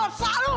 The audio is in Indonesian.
hmm dasar kurang